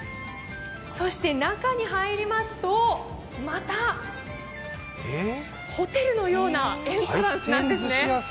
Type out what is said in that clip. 中に入りますと、またホテルのようなエントランスなんですね。